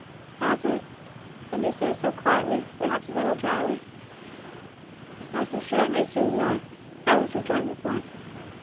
"Has it?" said De Seso, quietly, perhaps a little drily. "Most assuredly, señor," Carlos rejoined, with warmth.